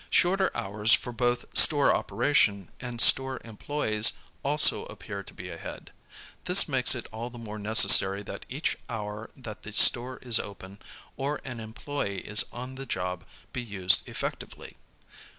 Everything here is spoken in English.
Shorter hours for both store operation and store employes also appear to be ahead. This makes it all the more necessary that each hour that the store is open or an employe is on the job be used effectively.